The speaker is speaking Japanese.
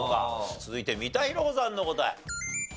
続いて三田寛子さんの答え。